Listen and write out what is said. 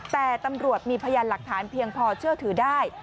แต่ตำรวจมีพยานหลักฐานเพียงพอเชื่อถือได้